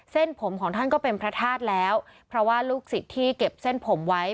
เส้นผมของท่านก็เป็นพระธาตุแล้วเพราะว่าลูกศิษย์ที่เก็บเส้นผมไว้